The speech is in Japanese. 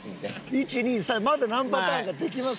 １２３まだ何パターンかできますよ。